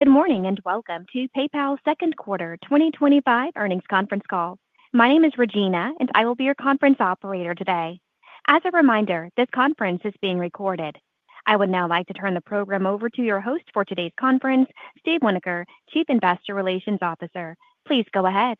Good morning and welcome to PayPal's second quarter 2025 earnings conference call. My name is Regina, and I will be your conference operator today. As a reminder, this conference is being recorded. I would now like to turn the program over to your host for today's conference, Steve Winoker, Chief Investor Relations Officer. Please go ahead.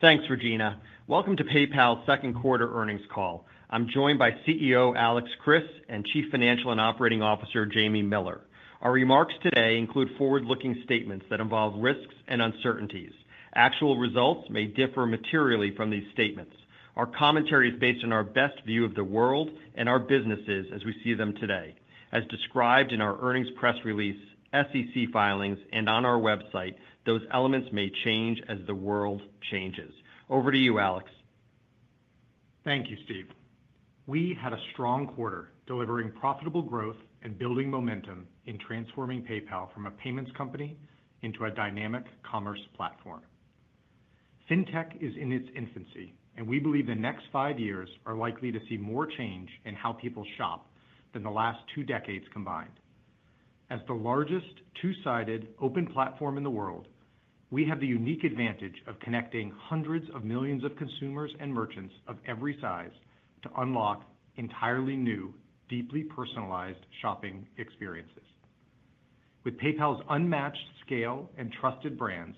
Thanks, Regina. Welcome to PayPal's second quarter earnings call. I'm joined by CEO Alex Chriss and Chief Financial and Operating Officer Jamie Miller. Our remarks today include forward-looking statements that involve risks and uncertainties. Actual results may differ materially from these statements. Our commentary is based on our best view of the world and our businesses as we see them today. As described in our earnings press release, SEC filings, and on our website, those elements may change as the world changes. Over to you, Alex. Thank you, Steve. We had a strong quarter delivering profitable growth and building momentum in transforming PayPal from a payments company into a dynamic commerce platform. Fintech is in its infancy, and we believe the next five years are likely to see more change in how people shop than the last two decades combined. As the largest two-sided open platform in the world, we have the unique advantage of connecting hundreds of millions of consumers and merchants of every size to unlock entirely new, deeply personalized shopping experiences. With PayPal's unmatched scale and trusted brands,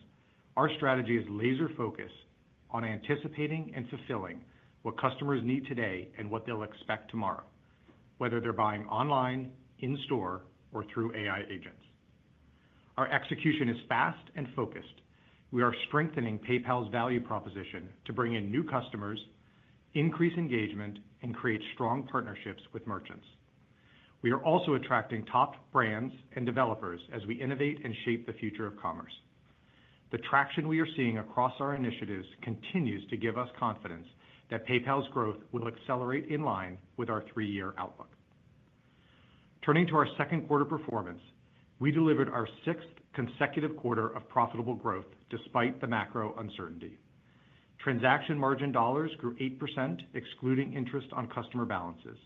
our strategy is laser-focused on anticipating and fulfilling what customers need today and what they'll expect tomorrow, whether they're buying online, in-store, or through AI agents. Our execution is fast and focused. We are strengthening PayPal's value proposition to bring in new customers, increase engagement, and create strong partnerships with merchants. We are also attracting top brands and developers as we innovate and shape the future of commerce. The traction we are seeing across our initiatives continues to give us confidence that PayPal's growth will accelerate in line with our three-year outlook. Turning to our second quarter performance, we delivered our sixth consecutive quarter of profitable growth despite the macro uncertainty. Transaction margin dollars grew 8%, excluding interest on customer balances.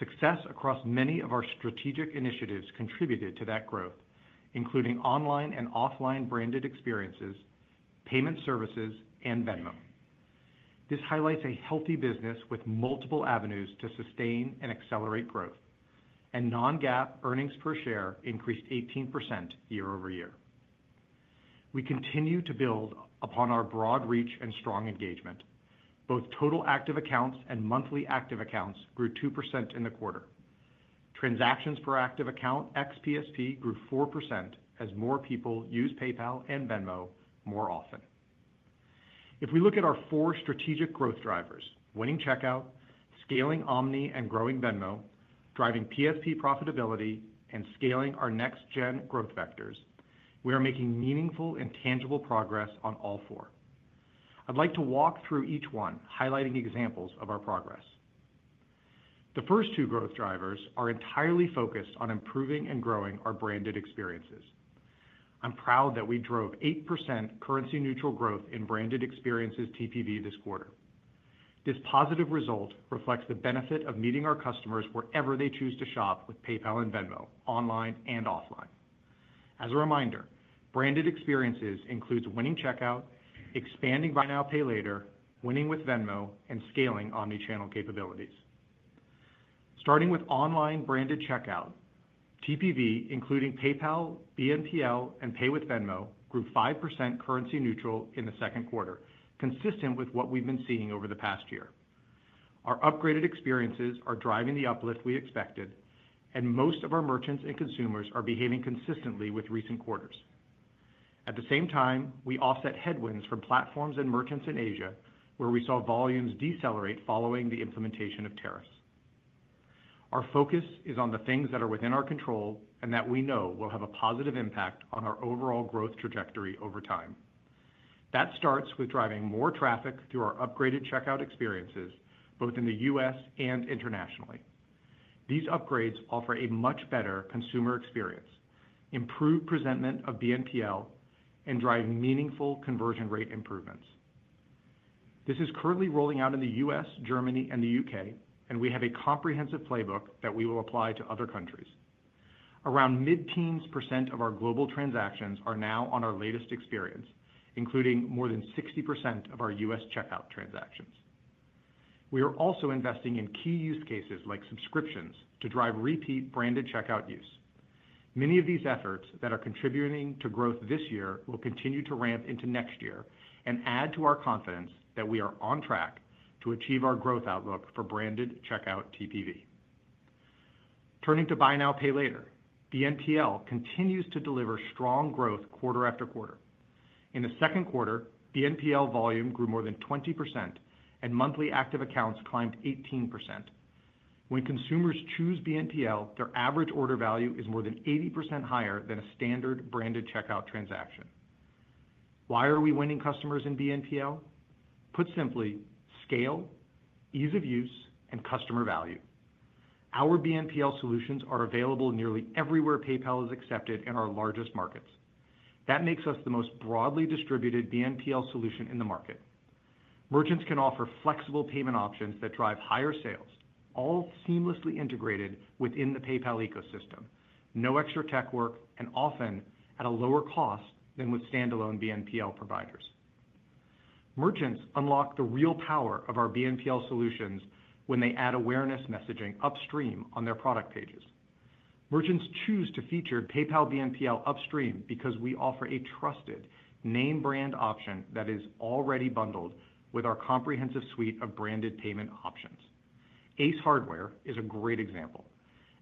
Success across many of our strategic initiatives contributed to that growth, including online and offline branded experiences, payment services, and Venmo. This highlights a healthy business with multiple avenues to sustain and accelerate growth, and non-GAAP earnings per share increased 18% year over year. We continue to build upon our broad reach and strong engagement. Both total active accounts and monthly active accounts grew 2% in the quarter. Transactions per active account, XPSP, grew 4% as more people use PayPal and Venmo more often. If we look at our four strategic growth drivers—winning checkout, scaling Omni, and growing Venmo—driving PSP profitability, and scaling our next-gen growth vectors—we are making meaningful and tangible progress on all four. I'd like to walk through each one, highlighting examples of our progress. The first two growth drivers are entirely focused on improving and growing our branded experiences. I'm proud that we drove 8% currency-neutral growth in branded experiences TPV this quarter. This positive result reflects the benefit of meeting our customers wherever they choose to shop with PayPal and Venmo, online and offline. As a reminder, branded experiences include winning checkout, expanding buy now, pay later, winning with Venmo, and scaling omnichannel capabilities. Starting with online branded checkout, TPV, including PayPal, BNPL, and Pay with Venmo, grew 5% currency-neutral in the second quarter, consistent with what we've been seeing over the past year. Our upgraded experiences are driving the uplift we expected, and most of our merchants and consumers are behaving consistently with recent quarters. At the same time, we offset headwinds from platforms and merchants in Asia, where we saw volumes decelerate following the implementation of tariffs. Our focus is on the things that are within our control and that we know will have a positive impact on our overall growth trajectory over time. That starts with driving more traffic through our upgraded checkout experiences, both in the U.S. and internationally. These upgrades offer a much better consumer experience, improved presentment of BNPL, and drive meaningful conversion rate improvements. This is currently rolling out in the U.S., Germany, and the U.K., and we have a comprehensive playbook that we will apply to other countries. Around mid-teens % of our global transactions are now on our latest experience, including more than 60% of our U.S. checkout transactions. We are also investing in key use cases like subscriptions to drive repeat branded checkout use. Many of these efforts that are contributing to growth this year will continue to ramp into next year and add to our confidence that we are on track to achieve our growth outlook for branded checkout TPV. Turning to buy now, pay later, BNPL continues to deliver strong growth quarter after quarter. In the second quarter, BNPL volume grew more than 20%, and monthly active accounts climbed 18%. When consumers choose BNPL, their average order value is more than 80% higher than a standard branded checkout transaction. Why are we winning customers in BNPL? Put simply, scale, ease of use, and customer value. Our BNPL solutions are available nearly everywhere PayPal is accepted in our largest markets. That makes us the most broadly distributed BNPL solution in the market. Merchants can offer flexible payment options that drive higher sales, all seamlessly integrated within the PayPal ecosystem, no extra tech work, and often at a lower cost than with standalone BNPL providers. Merchants unlock the real power of our BNPL solutions when they add awareness messaging upstream on their product pages. Merchants choose to feature PayPal BNPL upstream because we offer a trusted, name-brand option that is already bundled with our comprehensive suite of branded payment options. Ace Hardware is a great example.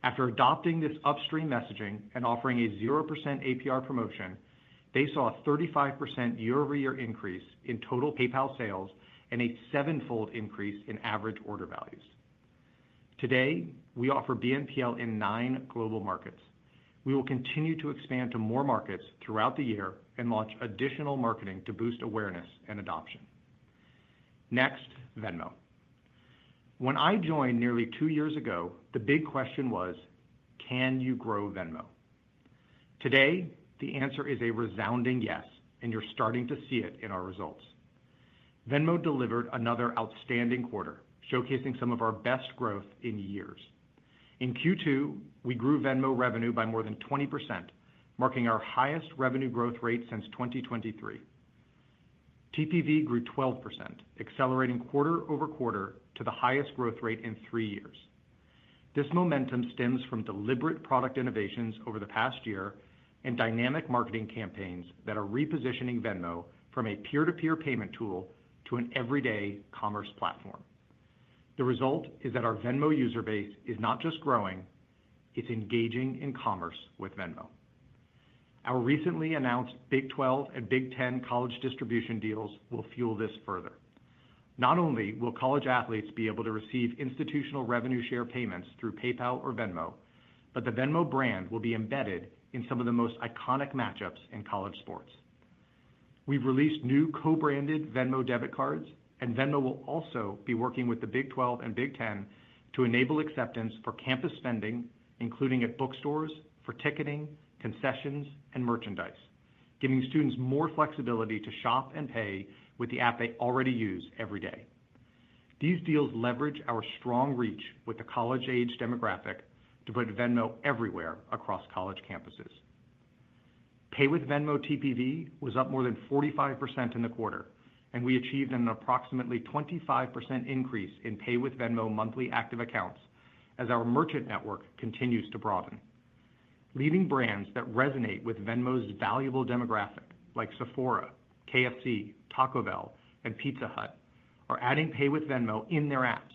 After adopting this upstream messaging and offering a 0% APR promotion, they saw a 35% year-over-year increase in total PayPal sales and a seven-fold increase in average order values. Today, we offer BNPL in nine global markets. We will continue to expand to more markets throughout the year and launch additional marketing to boost awareness and adoption. Next, Venmo. When I joined nearly two years ago, the big question was, "Can you grow Venmo?" Today, the answer is a resounding yes, and you're starting to see it in our results. Venmo delivered another outstanding quarter, showcasing some of our best growth in years. In Q2, we grew Venmo revenue by more than 20%, marking our highest revenue growth rate since 2023. TPV grew 12%, accelerating quarter over quarter to the highest growth rate in three years. This momentum stems from deliberate product innovations over the past year and dynamic marketing campaigns that are repositioning Venmo from a peer-to-peer payment tool to an everyday commerce platform. The result is that our Venmo user base is not just growing; it's engaging in commerce with Venmo. Our recently announced Big 12 and Big Ten college distribution deals will fuel this further. Not only will college athletes be able to receive institutional revenue share payments through PayPal or Venmo, but the Venmo brand will be embedded in some of the most iconic matchups in college sports. We've released new co-branded Venmo debit cards, and Venmo will also be working with the Big 12 and Big Ten to enable acceptance for campus spending, including at bookstores, for ticketing, concessions, and merchandise, giving students more flexibility to shop and pay with the app they already use every day. These deals leverage our strong reach with the college-age demographic to put Venmo everywhere across college campuses. Pay with Venmo TPV was up more than 45% in the quarter, and we achieved an approximately 25% increase in Pay with Venmo monthly active accounts as our merchant network continues to broaden. Leading brands that resonate with Venmo's valuable demographic, like Sephora, KFC, Taco Bell, and Pizza Hut, are adding Pay with Venmo in their apps,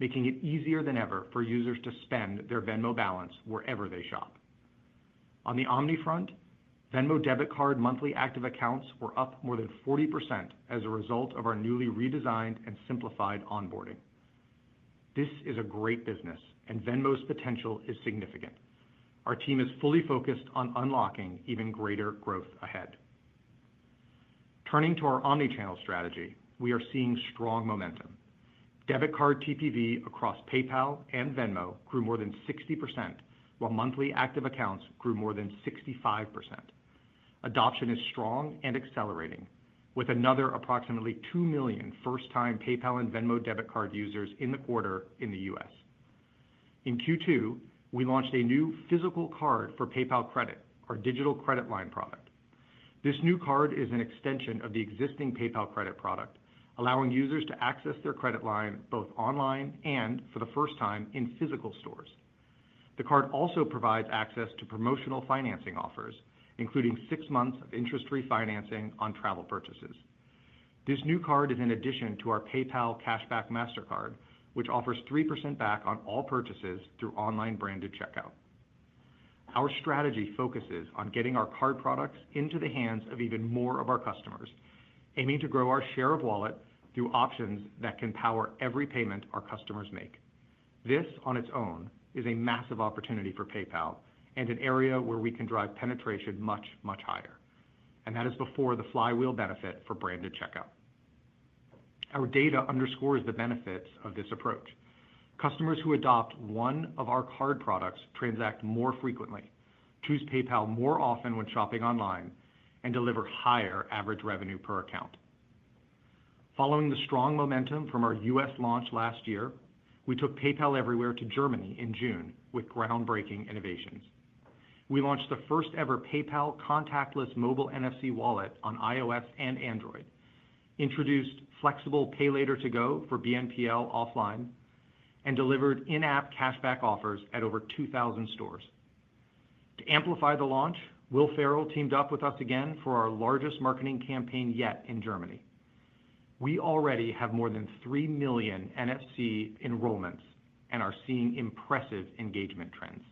making it easier than ever for users to spend their Venmo balance wherever they shop. On the OmniFront, Venmo debit card monthly active accounts were up more than 40% as a result of our newly redesigned and simplified onboarding. This is a great business, and Venmo's potential is significant. Our team is fully focused on unlocking even greater growth ahead. Turning to our omnichannel strategy, we are seeing strong momentum. Debit card TPV across PayPal and Venmo grew more than 60%, while monthly active accounts grew more than 65%. Adoption is strong and accelerating, with another approximately two million first-time PayPal and Venmo debit card users in the quarter in the U.S. In Q2, we launched a new physical card for PayPal Credit, our digital credit line product. This new card is an extension of the existing PayPal Credit product, allowing users to access their credit line both online and for the first time in physical stores. The card also provides access to promotional financing offers, including six months of interest-free financing on travel purchases. This new card is in addition to our PayPal Cashback Mastercard, which offers 3% back on all purchases through online branded checkout. Our strategy focuses on getting our card products into the hands of even more of our customers, aiming to grow our share of wallet through options that can power every payment our customers make. This, on its own, is a massive opportunity for PayPal and an area where we can drive penetration much, much higher. That is before the flywheel benefit for branded checkout. Our data underscores the benefits of this approach. Customers who adopt one of our card products transact more frequently, choose PayPal more often when shopping online, and deliver higher average revenue per account. Following the strong momentum from our U.S. launch last year, we took PayPal Everywhere to Germany in June with groundbreaking innovations. We launched the first-ever PayPal contactless mobile NFC wallet on iOS and Android, introduced flexible pay later to go for BNPL offline, and delivered in-app cashback offers at over 2,000 stores. To amplify the launch, Will Ferrell teamed up with us again for our largest marketing campaign yet in Germany. We already have more than three million NFC enrollments and are seeing impressive engagement trends.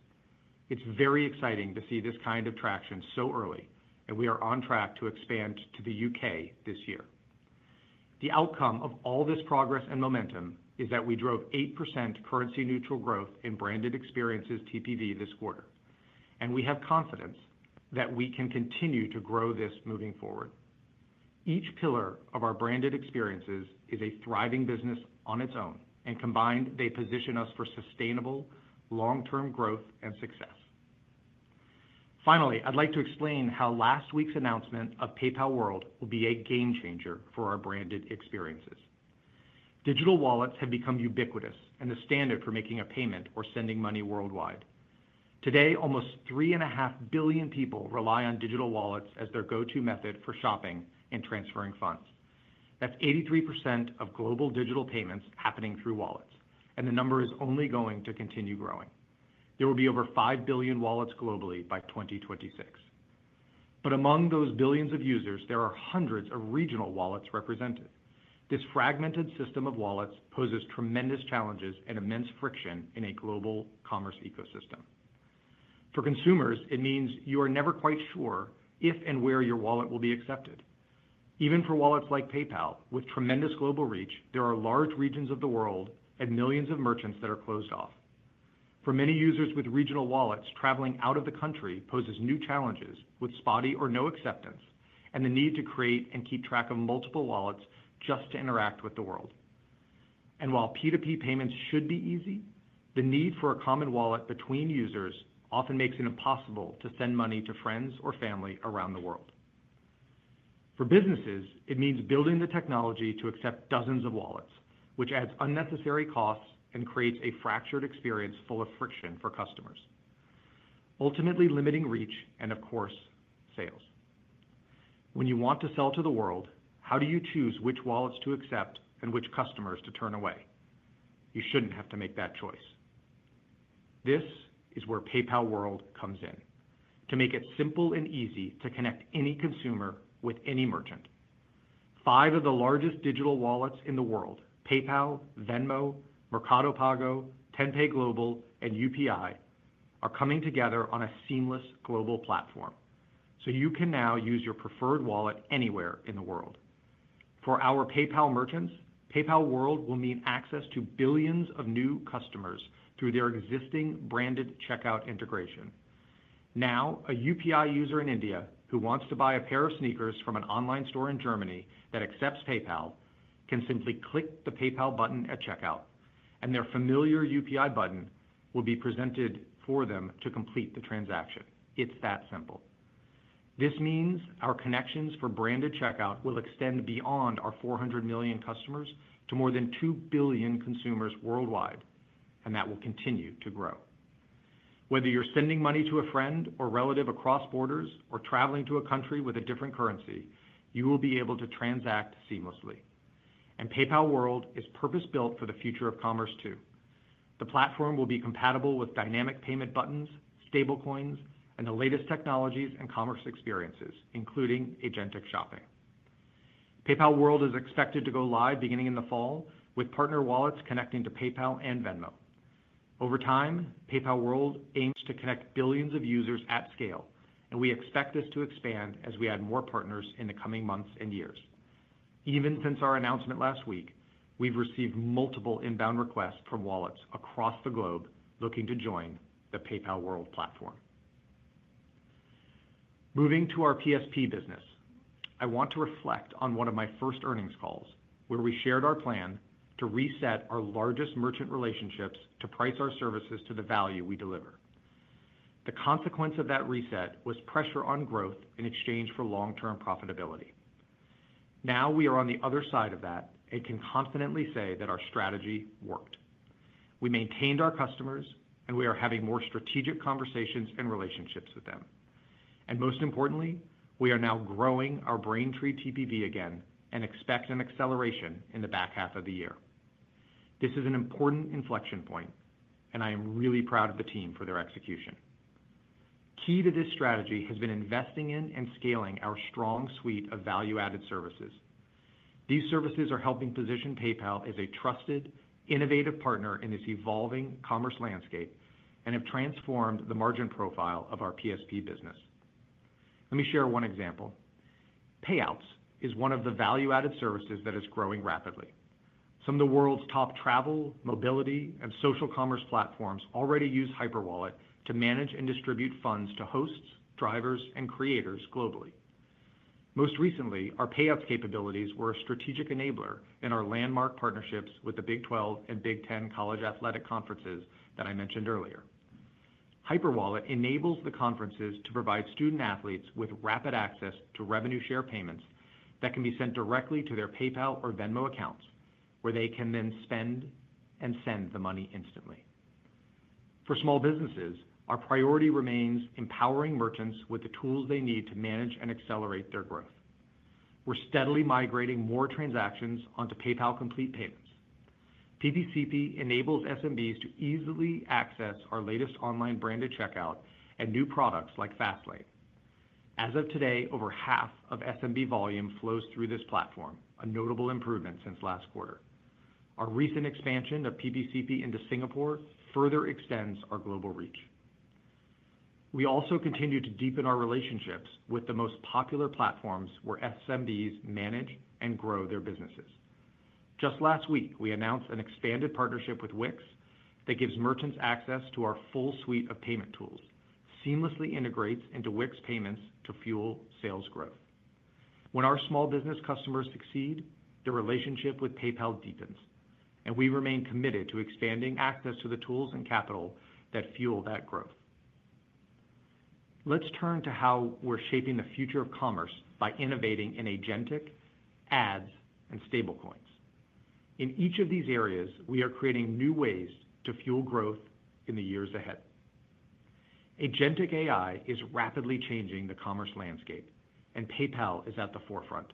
It's very exciting to see this kind of traction so early, and we are on track to expand to the U.K. this year. The outcome of all this progress and momentum is that we drove 8% currency-neutral growth in branded experiences TPV this quarter, and we have confidence that we can continue to grow this moving forward. Each pillar of our branded experiences is a thriving business on its own, and combined, they position us for sustainable, long-term growth and success. Finally, I'd like to explain how last week's announcement of PayPal World will be a game changer for our branded experiences. Digital wallets have become ubiquitous and the standard for making a payment or sending money worldwide. Today, almost three and a half billion people rely on digital wallets as their go-to method for shopping and transferring funds. That's 83% of global digital payments happening through wallets, and the number is only going to continue growing. There will be over five billion wallets globally by 2026. Among those billions of users, there are hundreds of regional wallets represented. This fragmented system of wallets poses tremendous challenges and immense friction in a global commerce ecosystem. For consumers, it means you are never quite sure if and where your wallet will be accepted. Even for wallets like PayPal, with tremendous global reach, there are large regions of the world and millions of merchants that are closed off. For many users with regional wallets, traveling out of the country poses new challenges with spotty or no acceptance and the need to create and keep track of multiple wallets just to interact with the world. While P2P payments should be easy, the need for a common wallet between users often makes it impossible to send money to friends or family around the world. For businesses, it means building the technology to accept dozens of wallets, which adds unnecessary costs and creates a fractured experience full of friction for customers. Ultimately limiting reach and, of course, sales. When you want to sell to the world, how do you choose which wallets to accept and which customers to turn away? You shouldn't have to make that choice. This is where PayPal World comes in, to make it simple and easy to connect any consumer with any merchant. Five of the largest digital wallets in the world, PayPal, Venmo, Mercado Pago, TenPay Global, and UPI, are coming together on a seamless global platform, so you can now use your preferred wallet anywhere in the world. For our PayPal merchants, PayPal World will mean access to billions of new customers through their existing branded checkout integration. Now, a UPI user in India who wants to buy a pair of sneakers from an online store in Germany that accepts PayPal can simply click the PayPal button at checkout, and their familiar UPI button will be presented for them to complete the transaction. It's that simple. This means our connections for branded checkout will extend beyond our 400 million customers to more than two billion consumers worldwide, and that will continue to grow. Whether you're sending money to a friend or relative across borders or traveling to a country with a different currency, you will be able to transact seamlessly. PayPal World is purpose-built for the future of commerce too. The platform will be compatible with dynamic payment buttons, stablecoins, and the latest technologies and commerce experiences, including agentic shopping. PayPal World is expected to go live beginning in the fall, with partner wallets connecting to PayPal and Venmo. Over time, PayPal World aims to connect billions of users at scale, and we expect this to expand as we add more partners in the coming months and years. Even since our announcement last week, we've received multiple inbound requests from wallets across the globe looking to join the PayPal World platform. Moving to our PSP business, I want to reflect on one of my first earnings calls where we shared our plan to reset our largest merchant relationships to price our services to the value we deliver. The consequence of that reset was pressure on growth in exchange for long-term profitability. Now we are on the other side of that and can confidently say that our strategy worked. We maintained our customers, and we are having more strategic conversations and relationships with them. Most importantly, we are now growing our Braintree TPV again and expect an acceleration in the back half of the year. This is an important inflection point, and I am really proud of the team for their execution. Key to this strategy has been investing in and scaling our strong suite of value-added services. These services are helping position PayPal as a trusted, innovative partner in this evolving commerce landscape and have transformed the margin profile of our PSP business. Let me share one example. Payouts is one of the value-added services that is growing rapidly. Some of the world's top travel, mobility, and social commerce platforms already use Hyperwallet to manage and distribute funds to hosts, drivers, and creators globally. Most recently, our payouts capabilities were a strategic enabler in our landmark partnerships with the Big 12 and Big Ten college athletic conferences that I mentioned earlier. Hyperwallet enables the conferences to provide student athletes with rapid access to revenue share payments that can be sent directly to their PayPal or Venmo accounts, where they can then spend and send the money instantly. For small businesses, our priority remains empowering merchants with the tools they need to manage and accelerate their growth. We're steadily migrating more transactions onto PayPal Complete Payments. PPCP enables SMBs to easily access our latest online branded checkout and new products like Fastlane. As of today, over half of SMB volume flows through this platform, a notable improvement since last quarter. Our recent expansion of PPCP into Singapore further extends our global reach. We also continue to deepen our relationships with the most popular platforms where SMBs manage and grow their businesses. Just last week, we announced an expanded partnership with Wix that gives merchants access to our full suite of payment tools, seamlessly integrates into Wix payments to fuel sales growth. When our small business customers succeed, the relationship with PayPal deepens, and we remain committed to expanding access to the tools and capital that fuel that growth. Let's turn to how we're shaping the future of commerce by innovating in agentic, ads, and stablecoins. In each of these areas, we are creating new ways to fuel growth in the years ahead. Agentic AI is rapidly changing the commerce landscape, and PayPal is at the forefront.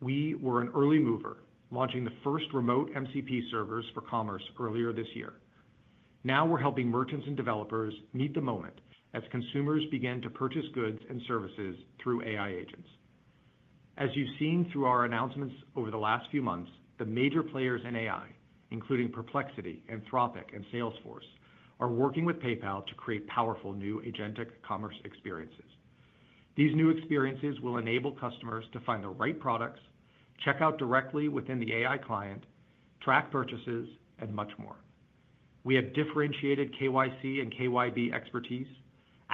We were an early mover, launching the first remote MCP servers for commerce earlier this year. Now we're helping merchants and developers meet the moment as consumers begin to purchase goods and services through AI agents. As you've seen through our announcements over the last few months, the major players in AI, including Perplexity, Anthropic, and Salesforce, are working with PayPal to create powerful new agentic commerce experiences. These new experiences will enable customers to find the right products, check out directly within the AI client, track purchases, and much more. We have differentiated KYC and KYB expertise,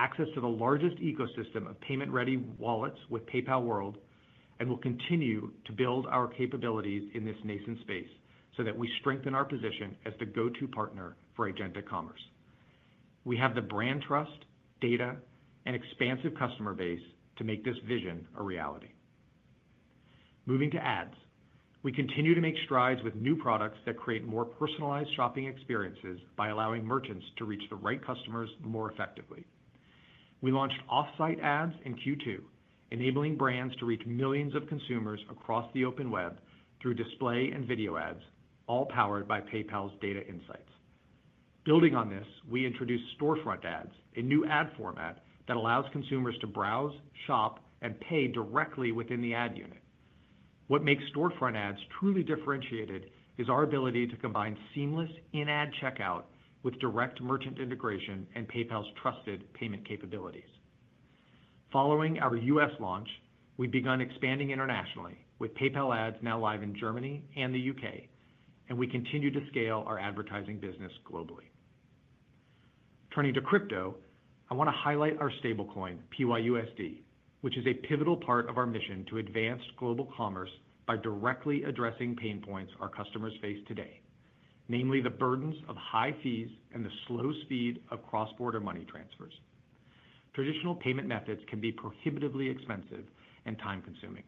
access to the largest ecosystem of payment-ready wallets with PayPal World, and will continue to build our capabilities in this nascent space so that we strengthen our position as the go-to partner for agentic commerce. We have the brand trust, data, and expansive customer base to make this vision a reality. Moving to ads, we continue to make strides with new products that create more personalized shopping experiences by allowing merchants to reach the right customers more effectively. We launched off-site ads in Q2, enabling brands to reach millions of consumers across the open web through display and video ads, all powered by PayPal's data insights. Building on this, we introduced storefront ads, a new ad format that allows consumers to browse, shop, and pay directly within the ad unit. What makes storefront ads truly differentiated is our ability to combine seamless in-ad checkout with direct merchant integration and PayPal's trusted payment capabilities. Following our U.S. launch, we've begun expanding internationally, with PayPal ads now live in Germany and the U.K., and we continue to scale our advertising business globally. Turning to crypto, I want to highlight our stablecoin, PYUSD, which is a pivotal part of our mission to advance global commerce by directly addressing pain points our customers face today, namely the burdens of high fees and the slow speed of cross-border money transfers. Traditional payment methods can be prohibitively expensive and time-consuming,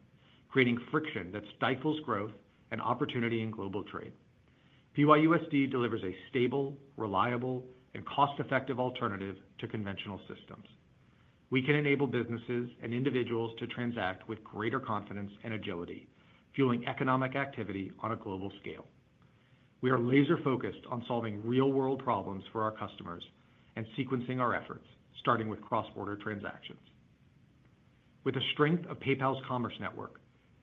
creating friction that stifles growth and opportunity in global trade. PYUSD delivers a stable, reliable, and cost-effective alternative to conventional systems. We can enable businesses and individuals to transact with greater confidence and agility, fueling economic activity on a global scale. We are laser-focused on solving real-world problems for our customers and sequencing our efforts, starting with cross-border transactions. With the strength of PayPal's commerce network,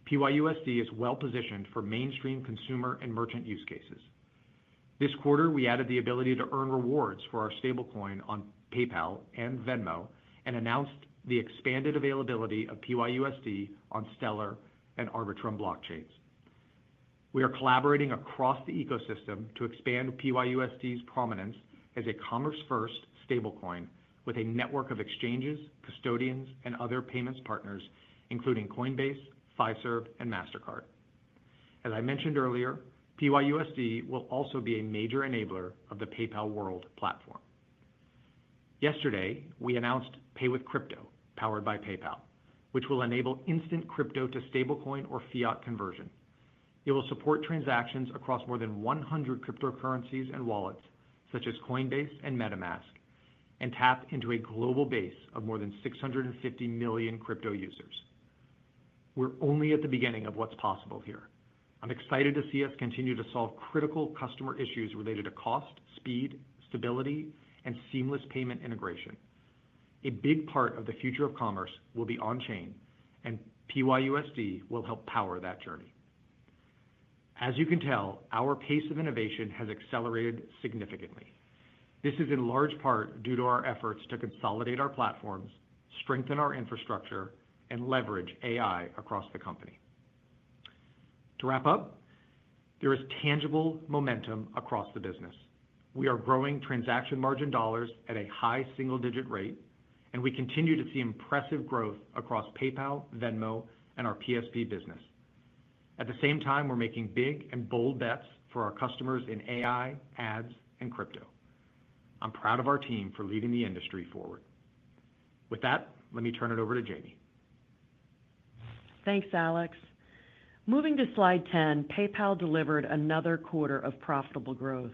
PYUSD is well-positioned for mainstream consumer and merchant use cases. This quarter, we added the ability to earn rewards for our stablecoin on PayPal and Venmo and announced the expanded availability of PYUSD on Stellar and Arbitrum blockchains. We are collaborating across the ecosystem to expand PYUSD's prominence as a commerce-first stablecoin with a network of exchanges, custodians, and other payments partners, including Coinbase, Fiserv, and Mastercard. As I mentioned earlier, PYUSD will also be a major enabler of the PayPal World platform. Yesterday, we announced Pay with Crypto, powered by PayPal, which will enable instant crypto to stablecoin or fiat conversion. It will support transactions across more than 100 cryptocurrencies and wallets, such as Coinbase and MetaMask, and tap into a global base of more than 650 million crypto users. We're only at the beginning of what's possible here. I'm excited to see us continue to solve critical customer issues related to cost, speed, stability, and seamless payment integration. A big part of the future of commerce will be on-chain, and PYUSD will help power that journey. As you can tell, our pace of innovation has accelerated significantly. This is in large part due to our efforts to consolidate our platforms, strengthen our infrastructure, and leverage AI across the company. To wrap up. There is tangible momentum across the business. We are growing transaction margin dollars at a high single-digit rate, and we continue to see impressive growth across PayPal, Venmo, and our PSP business. At the same time, we're making big and bold bets for our customers in AI, ads, and crypto. I'm proud of our team for leading the industry forward. With that, let me turn it over to Jamie. Thanks, Alex. Moving to slide 10, PayPal delivered another quarter of profitable growth.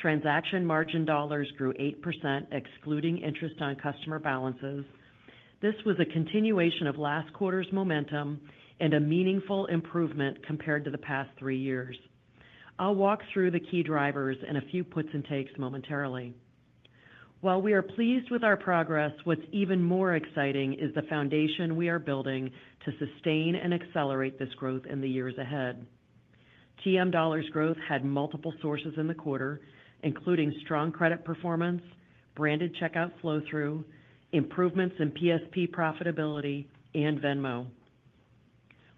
Transaction margin dollars grew 8%, excluding interest on customer balances. This was a continuation of last quarter's momentum and a meaningful improvement compared to the past three years. I'll walk through the key drivers and a few puts and takes momentarily. While we are pleased with our progress, what's even more exciting is the foundation we are building to sustain and accelerate this growth in the years ahead. TM dollars growth had multiple sources in the quarter, including strong credit performance, branded checkout flow-through, improvements in PSP profitability, and Venmo.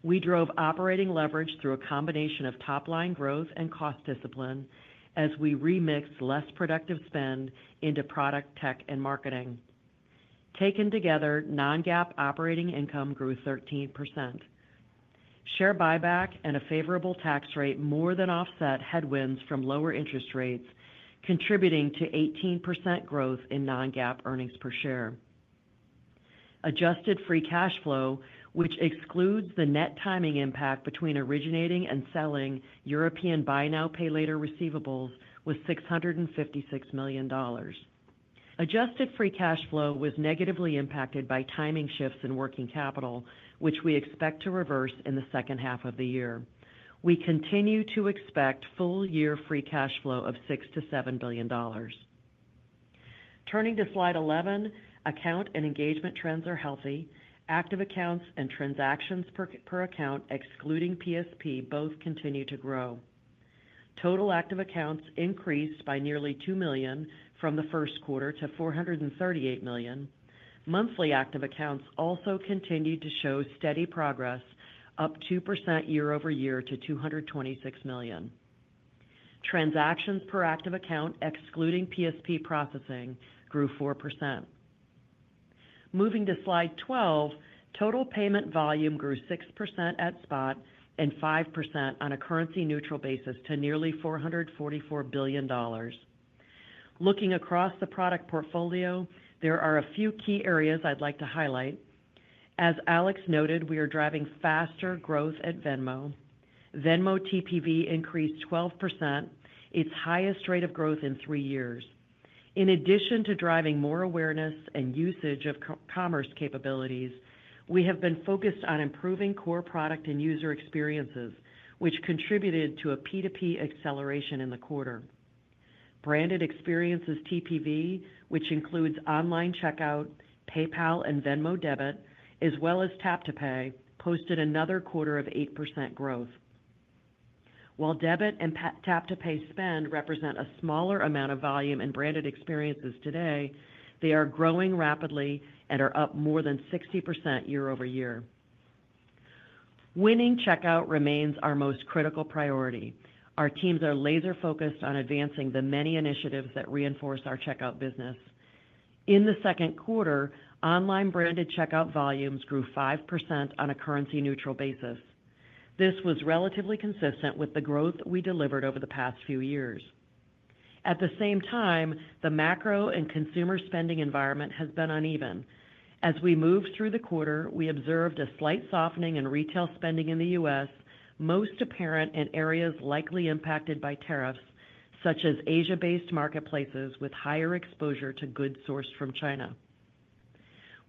We drove operating leverage through a combination of top-line growth and cost discipline as we remixed less productive spend into product tech and marketing. Taken together, non-GAAP operating income grew 13%. Share buyback and a favorable tax rate more than offset headwinds from lower interest rates, contributing to 18% growth in non-GAAP earnings per share. Adjusted free cash flow, which excludes the net timing impact between originating and selling European buy now pay later receivables, was $656 million. Adjusted free cash flow was negatively impacted by timing shifts in working capital, which we expect to reverse in the second half of the year. We continue to expect full-year free cash flow of $6 billion-$7 billion. Turning to slide 11, account and engagement trends are healthy. Active accounts and transactions per account, excluding PSP, both continue to grow. Total active accounts increased by nearly two million from the first quarter to 438 million. Monthly active accounts also continued to show steady progress, up 2% year over year to 226 million. Transactions per active account, excluding PSP processing, grew 4%. Moving to slide 12, total payment volume grew 6% at spot and 5% on a currency-neutral basis to nearly $444 billion. Looking across the product portfolio, there are a few key areas I'd like to highlight. As Alex noted, we are driving faster growth at Venmo. Venmo TPV increased 12%, its highest rate of growth in three years. In addition to driving more awareness and usage of commerce capabilities, we have been focused on improving core product and user experiences, which contributed to a P2P acceleration in the quarter. Branded experiences TPV, which includes online checkout, PayPal, and Venmo debit, as well as tap-to-pay, posted another quarter of 8% growth. While debit and tap-to-pay spend represent a smaller amount of volume in branded experiences today, they are growing rapidly and are up more than 60% year over year. Winning checkout remains our most critical priority. Our teams are laser-focused on advancing the many initiatives that reinforce our checkout business. In the second quarter, online branded checkout volumes grew 5% on a currency-neutral basis. This was relatively consistent with the growth we delivered over the past few years. At the same time, the macro and consumer spending environment has been uneven. As we moved through the quarter, we observed a slight softening in retail spending in the U.S., most apparent in areas likely impacted by tariffs, such as Asia-based marketplaces with higher exposure to goods sourced from China.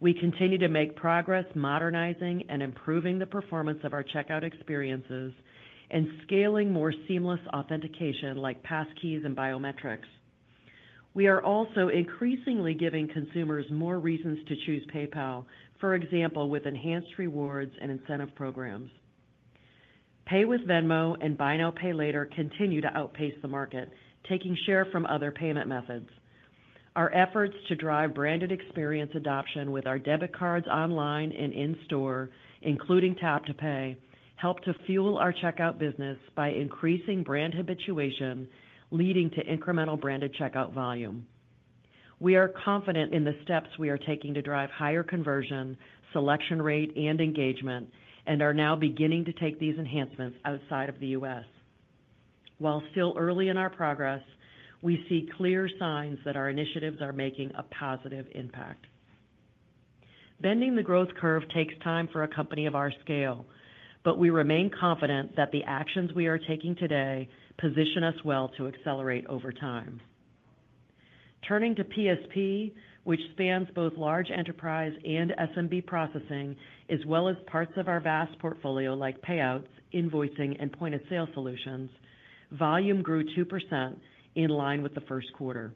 We continue to make progress modernizing and improving the performance of our checkout experiences and scaling more seamless authentication like passkeys and biometrics. We are also increasingly giving consumers more reasons to choose PayPal, for example, with enhanced rewards and incentive programs. Pay with Venmo and buy now pay later continue to outpace the market, taking share from other payment methods. Our efforts to drive branded experience adoption with our debit cards online and in-store, including tap-to-pay, help to fuel our checkout business by increasing brand habituation, leading to incremental branded checkout volume. We are confident in the steps we are taking to drive higher conversion, selection rate, and engagement, and are now beginning to take these enhancements outside of the U.S. While still early in our progress, we see clear signs that our initiatives are making a positive impact. Bending the growth curve takes time for a company of our scale, but we remain confident that the actions we are taking today position us well to accelerate over time. Turning to PSP, which spans both large enterprise and SMB processing, as well as parts of our vast portfolio like payouts, invoicing, and point-of-sale solutions, volume grew 2% in line with the first quarter.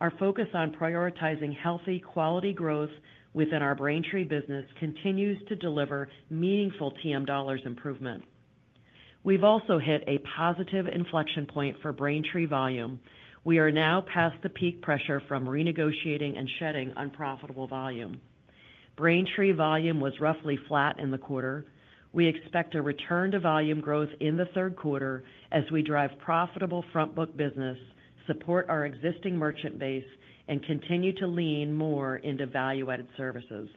Our focus on prioritizing healthy, quality growth within our Braintree business continues to deliver meaningful TM dollars improvement. We've also hit a positive inflection point for Braintree volume. We are now past the peak pressure from renegotiating and shedding unprofitable volume. Braintree volume was roughly flat in the quarter. We expect a return to volume growth in the third quarter as we drive profitable front-book business, support our existing merchant base, and continue to lean more into value-added services.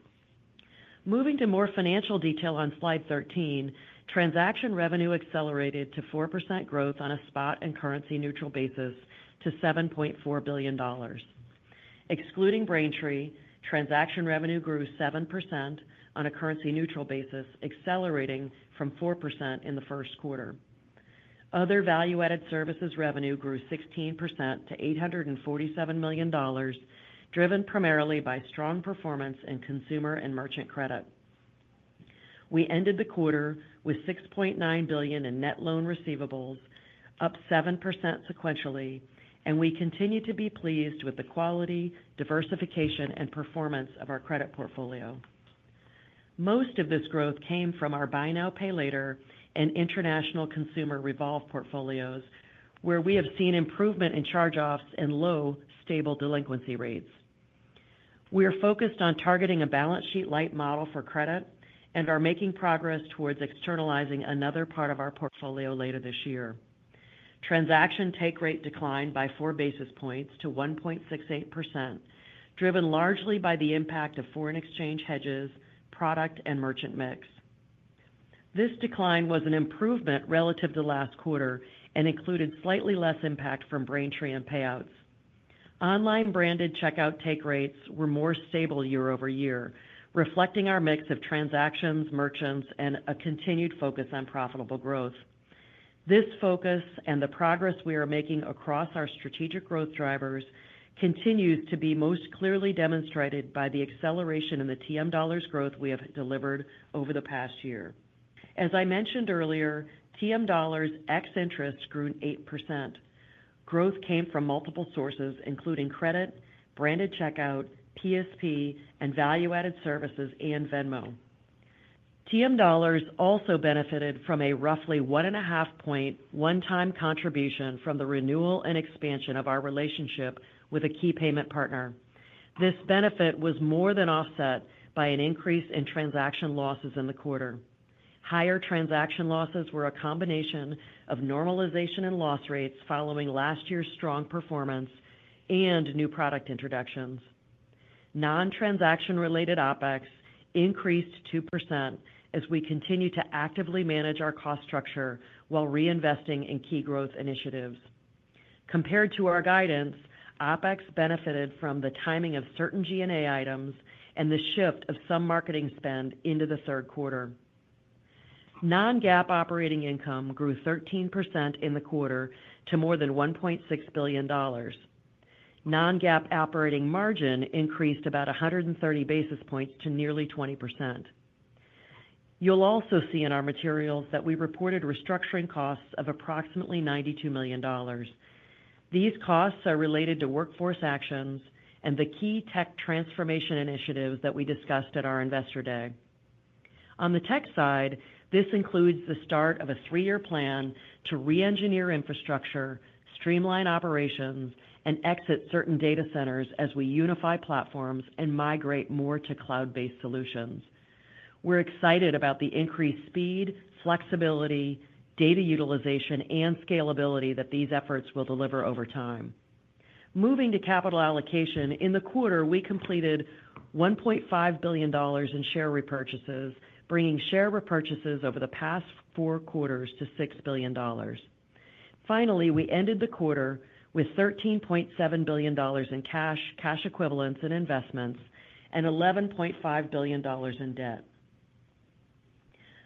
Moving to more financial detail on slide 13, transaction revenue accelerated to 4% growth on a spot and currency-neutral basis to $7.4 billion. Excluding Braintree, transaction revenue grew 7% on a currency-neutral basis, accelerating from 4% in the first quarter. Other value-added services revenue grew 16% to $847 million, driven primarily by strong performance in consumer and merchant credit. We ended the quarter with $6.9 billion in net loan receivables, up 7% sequentially, and we continue to be pleased with the quality, diversification, and performance of our credit portfolio. Most of this growth came from our buy now pay later and international consumer revolve portfolios, where we have seen improvement in charge-offs and low, stable delinquency rates. We are focused on targeting a balance sheet-like model for credit and are making progress towards externalizing another part of our portfolio later this year. Transaction take rate declined by four basis points to 1.68%, driven largely by the impact of foreign exchange hedges, product, and merchant mix. This decline was an improvement relative to last quarter and included slightly less impact from Braintree and payouts. Online branded checkout take rates were more stable year over year, reflecting our mix of transactions, merchants, and a continued focus on profitable growth. This focus and the progress we are making across our strategic growth drivers continues to be most clearly demonstrated by the acceleration in the TM dollars growth we have delivered over the past year. As I mentioned earlier, TM dollars ex-interest grew 8%. Growth came from multiple sources, including credit, branded checkout, PSP, and value-added services and Venmo. TM dollars also benefited from a roughly 1.5-point one-time contribution from the renewal and expansion of our relationship with a key payment partner. This benefit was more than offset by an increase in transaction losses in the quarter. Higher transaction losses were a combination of normalization in loss rates following last year's strong performance and new product introductions. Non-transaction-related OpEx increased 2% as we continue to actively manage our cost structure while reinvesting in key growth initiatives. Compared to our guidance, OpEx benefited from the timing of certain G&A items and the shift of some marketing spend into the third quarter. Non-GAAP operating income grew 13% in the quarter to more than $1.6 billion. Non-GAAP operating margin increased about 130 basis points to nearly 20%. You'll also see in our materials that we reported restructuring costs of approximately $92 million. These costs are related to workforce actions and the key tech transformation initiatives that we discussed at our investor day. On the tech side, this includes the start of a three-year plan to re-engineer infrastructure, streamline operations, and exit certain data centers as we unify platforms and migrate more to cloud-based solutions. We're excited about the increased speed, flexibility, data utilization, and scalability that these efforts will deliver over time. Moving to capital allocation, in the quarter, we completed $1.5 billion in share repurchases, bringing share repurchases over the past four quarters to $6 billion. Finally, we ended the quarter with $13.7 billion in cash, cash equivalents, and investments, and $11.5 billion in debt.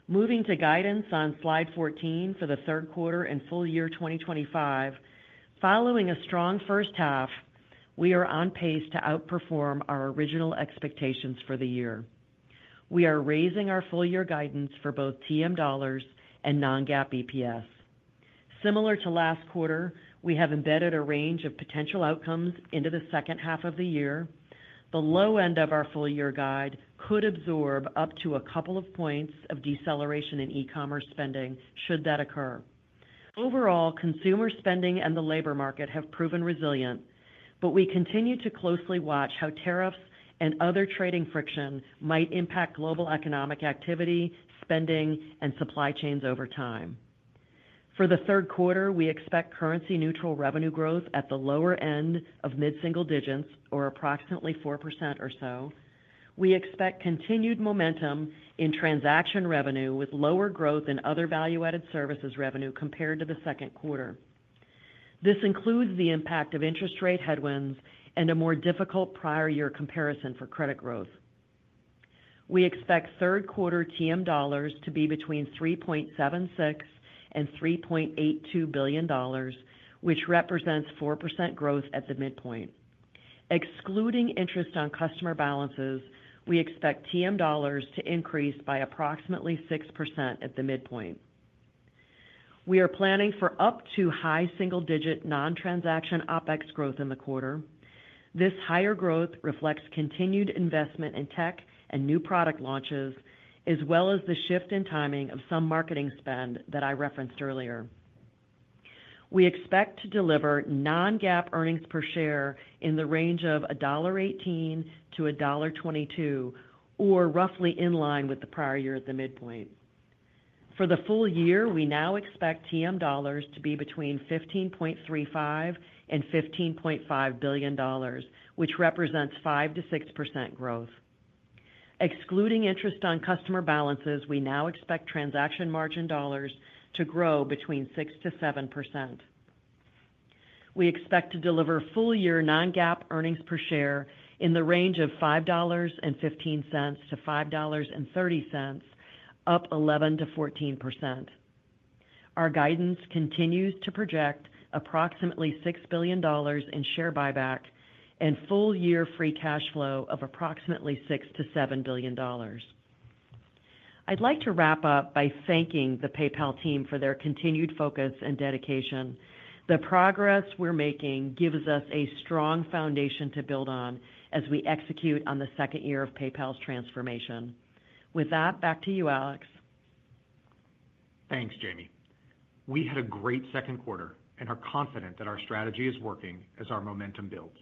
Moving to guidance on slide 14 for the third quarter and full year 2025. Following a strong first half, we are on pace to outperform our original expectations for the year. We are raising our full-year guidance for both TM dollars and non-GAAP EPS. Similar to last quarter, we have embedded a range of potential outcomes into the second half of the year. The low end of our full-year guide could absorb up to a couple of points of deceleration in e-commerce spending should that occur. Overall, consumer spending and the labor market have proven resilient, but we continue to closely watch how tariffs and other trading friction might impact global economic activity, spending, and supply chains over time. For the third quarter, we expect currency-neutral revenue growth at the lower end of mid-single digits or approximately 4% or so. We expect continued momentum in transaction revenue with lower growth in other value-added services revenue compared to the second quarter. This includes the impact of interest rate headwinds and a more difficult prior-year comparison for credit growth. We expect third-quarter TM dollars to be between $3.76 billion-$3.82 billion, which represents 4% growth at the midpoint. Excluding interest on customer balances, we expect TM dollars to increase by approximately 6% at the midpoint. We are planning for up to high single-digit non-transaction OpEx growth in the quarter. This higher growth reflects continued investment in tech and new product launches, as well as the shift in timing of some marketing spend that I referenced earlier. We expect to deliver non-GAAP earnings per share in the range of $1.18-$1.22, or roughly in line with the prior year at the midpoint. For the full year, we now expect TM dollars to be between $15.35 billion-$15.5 billion, which represents 5%-6% growth. Excluding interest on customer balances, we now expect transaction margin dollars to grow between 6%-7%. We expect to deliver full-year non-GAAP earnings per share in the range of $5.15-$5.30, up 11%-14%. Our guidance continues to project approximately $6 billion in share buyback and full-year free cash flow of approximately $6 billion-$7 billion. I'd like to wrap up by thanking the PayPal team for their continued focus and dedication. The progress we're making gives us a strong foundation to build on as we execute on the second year of PayPal's transformation. With that, back to you, Alex. Thanks, Jamie. We had a great second quarter and are confident that our strategy is working as our momentum builds.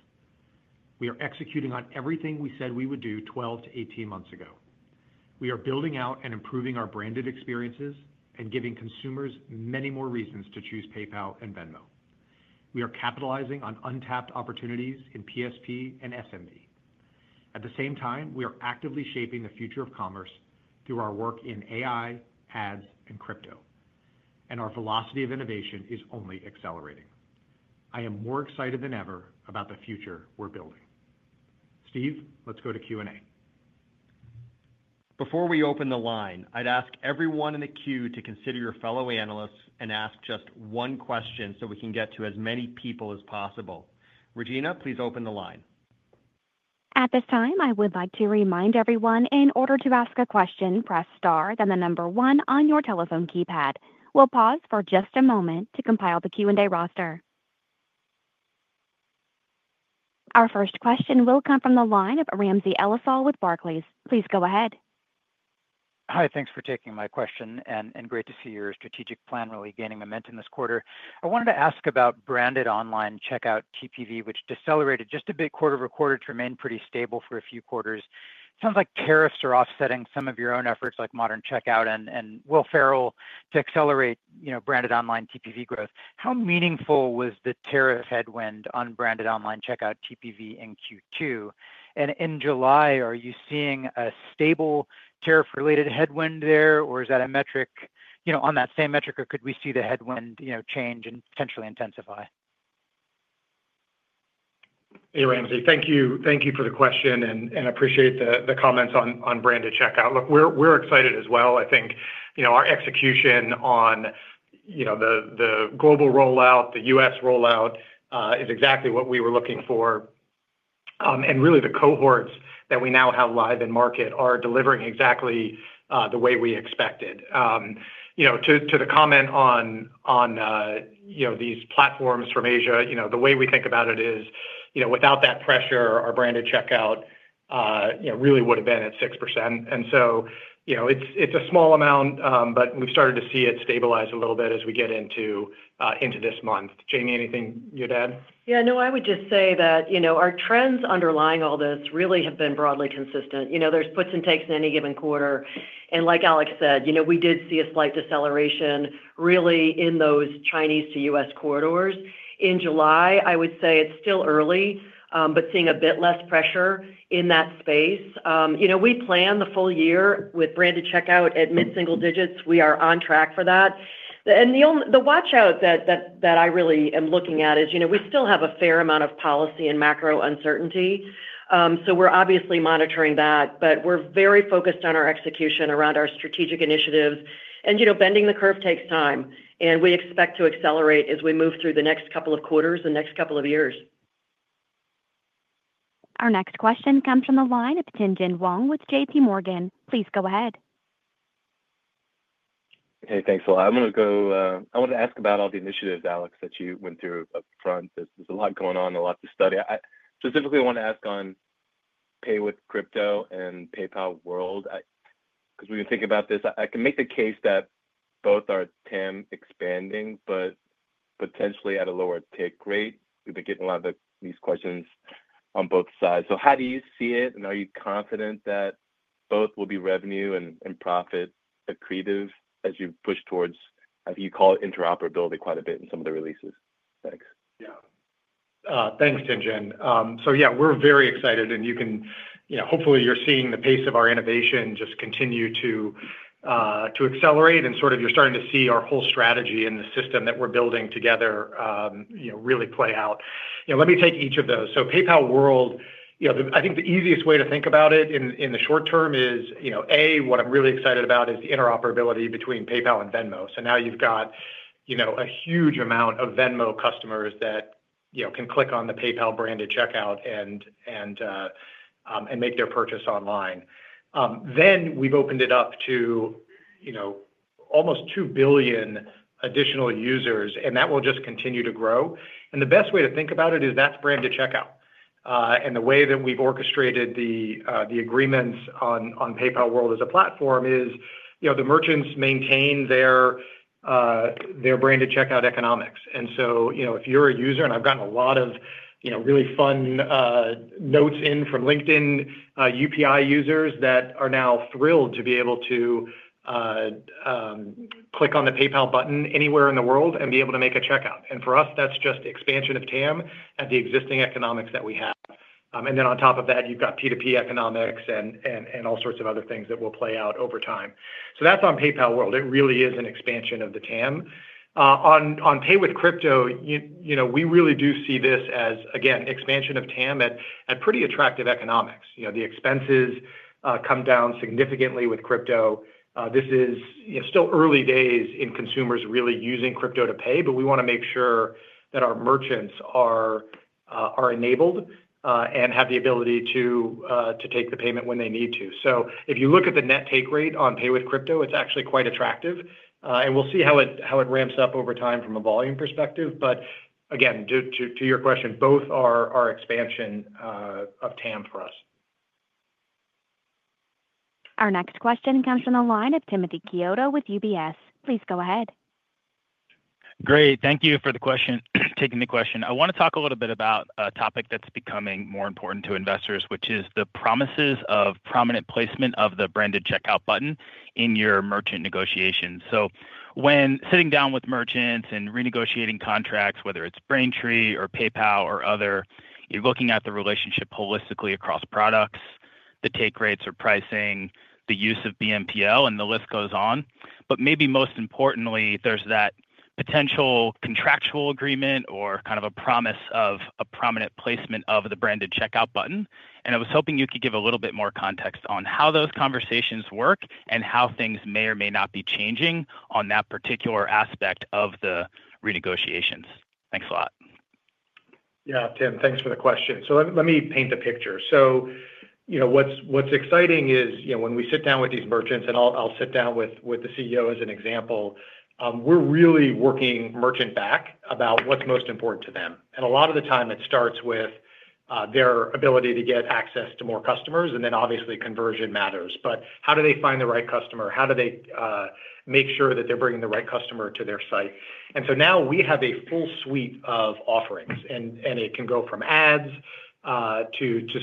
We are executing on everything we said we would do 12 to 18 months ago. We are building out and improving our branded experiences and giving consumers many more reasons to choose PayPal and Venmo. We are capitalizing on untapped opportunities in PSP and SMB. At the same time, we are actively shaping the future of commerce through our work in AI, ads, and crypto, and our velocity of innovation is only accelerating. I am more excited than ever about the future we're building. Steve, let's go to Q&A. Before we open the line, I'd ask everyone in the queue to consider your fellow analysts and ask just one question so we can get to as many people as possible. Regina, please open the line. At this time, I would like to remind everyone, in order to ask a question, press star, then the number one on your telephone keypad. We'll pause for just a moment to compile the Q&A roster. Our first question will come from the line of Ramsey El-Assal with Barclays. Please go ahead. Hi, thanks for taking my question, and great to see your strategic plan really gaining momentum this quarter. I wanted to ask about branded online checkout TPV, which decelerated just a bit quarter over quarter to remain pretty stable for a few quarters. It sounds like tariffs are offsetting some of your own efforts like modern checkout and Will Ferrell to accelerate branded online TPV growth. How meaningful was the tariff headwind on branded online checkout TPV in Q2? And in July, are you seeing a stable tariff-related headwind there, or is that a metric on that same metric, or could we see the headwind change and potentially intensify? Hey, Ramsey. Thank you for the question, and I appreciate the comments on branded checkout. Look, we're excited as well. I think our execution on. The global rollout, the U.S. rollout, is exactly what we were looking for. And really, the cohorts that we now have live in market are delivering exactly the way we expected. To the comment on these platforms from Asia, the way we think about it is, without that pressure, our branded checkout really would have been at 6%. And so, it's a small amount, but we've started to see it stabilize a little bit as we get into this month. Jamie, anything you'd add? Yeah, no, I would just say that our trends underlying all this really have been broadly consistent. There's puts and takes in any given quarter. Like Alex said, we did see a slight deceleration really in those Chinese to U.S. corridors. In July, I would say it's still early, but seeing a bit less pressure in that space. We plan the full year with branded checkout at mid-single digits. We are on track for that. The watch-out that I really am looking at is we still have a fair amount of policy and macro uncertainty. We're obviously monitoring that, but we're very focused on our execution around our strategic initiatives. Bending the curve takes time, and we expect to accelerate as we move through the next couple of quarters and next couple of years. Our next question comes from the line of Tim Wong with JPMorgan. Please go ahead. Okay, thanks a lot. I want to go. I wanted to ask about all the initiatives, Alex, that you went through up front. There's a lot going on, a lot to study. Specifically, I want to ask on Pay with Crypto and PayPal World. Because we've been thinking about this, I can make the case that both are TAM expanding, but potentially at a lower take rate. We've been getting a lot of these questions on both sides. How do you see it, and are you confident that both will be revenue and profit accretive as you push towards, I think you call it interoperability quite a bit in some of the releases? Thanks. Yeah. Thanks, Tin Jin. So yeah, we're very excited, and you can hopefully you're seeing the pace of our innovation just continue to accelerate, and sort of you're starting to see our whole strategy and the system that we're building together really play out. Let me take each of those. So PayPal World. I think the easiest way to think about it in the short term is, A, what I'm really excited about is the interoperability between PayPal and Venmo. So now you've got a huge amount of Venmo customers that can click on the PayPal branded checkout and. Make their purchase online. Then we've opened it up to almost two billion additional users, and that will just continue to grow. The best way to think about it is that's branded checkout. The way that we've orchestrated the agreements on PayPal World as a platform is the merchants maintain their branded checkout economics. If you're a user, and I've gotten a lot of really fun notes in from LinkedIn UPI users that are now thrilled to be able to click on the PayPal button anywhere in the world and be able to make a checkout. For us, that's just expansion of TAM at the existing economics that we have. On top of that, you've got P2P economics and all sorts of other things that will play out over time. That's on PayPal World. It really is an expansion of the TAM. On Pay with Crypto, we really do see this as, again, expansion of TAM at pretty attractive economics. The expenses come down significantly with crypto. This is still early days in consumers really using crypto to pay, but we want to make sure that our merchants are enabled and have the ability to take the payment when they need to. If you look at the net take rate on Pay with Crypto, it's actually quite attractive. We'll see how it ramps up over time from a volume perspective. Again, to your question, both are expansion of TAM for us. Our next question comes from the line of Timothy Chiodo with UBS. Please go ahead. Great. Thank you for taking the question. I want to talk a little bit about a topic that's becoming more important to investors, which is the promises of prominent placement of the branded checkout button in your merchant negotiations. When sitting down with merchants and renegotiating contracts, whether it's Braintree or PayPal or other, you're looking at the relationship holistically across products, the take rates or pricing, the use of BNPL, and the list goes on. Maybe most importantly, there's that potential contractual agreement or kind of a promise of a prominent placement of the branded checkout button. I was hoping you could give a little bit more context on how those conversations work and how things may or may not be changing on that particular aspect of the renegotiations. Thanks a lot. Yeah, Tim, thanks for the question. Let me paint the picture. So. What's exciting is when we sit down with these merchants, and I'll sit down with the CEO as an example, we're really working merchant back about what's most important to them. A lot of the time, it starts with their ability to get access to more customers, and then obviously conversion matters. How do they find the right customer? How do they make sure that they're bringing the right customer to their site? Now we have a full suite of offerings, and it can go from ads to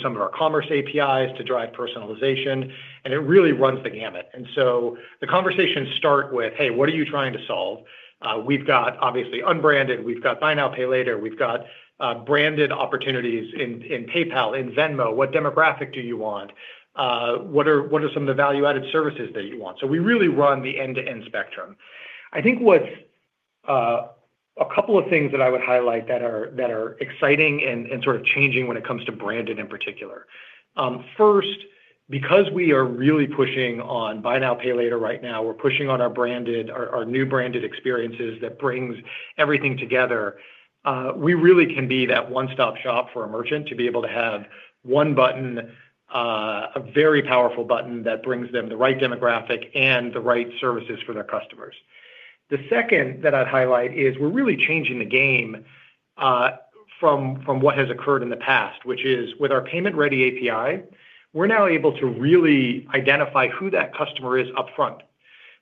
some of our commerce APIs to drive personalization, and it really runs the gamut. The conversations start with, "Hey, what are you trying to solve?" We've got obviously unbranded. We've got buy now pay later. We've got branded opportunities in PayPal, in Venmo. What demographic do you want? What are some of the value-added services that you want? We really run the end-to-end spectrum. I think a couple of things that I would highlight that are exciting and sort of changing when it comes to branded in particular. First, because we are really pushing on buy now pay later right now, we're pushing on our new branded experiences that brings everything together, we really can be that one-stop shop for a merchant to be able to have one button. A very powerful button that brings them the right demographic and the right services for their customers. The second that I'd highlight is we're really changing the game. From what has occurred in the past, which is with our payment-ready API, we're now able to really identify who that customer is upfront.